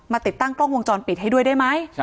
ติดตั้งกล้องวงจรปิดให้ด้วยได้ไหม